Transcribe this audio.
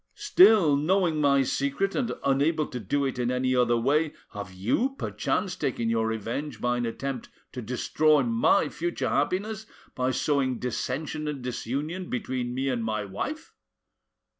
Still, knowing my secret and unable to do it in any other way, have you perchance taken your revenge by an attempt to destroy my future happiness by sowing dissension and disunion between me and my wife?"